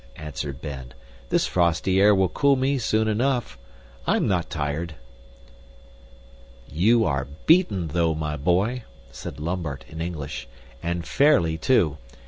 answered Ben. "This frosty air will cool me soon enough. I am not tired." "You are beaten, though, my boy," said Lambert in English, "and fairly too.